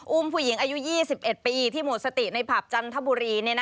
ผู้หญิงอายุ๒๑ปีที่หมดสติในผับจันทบุรี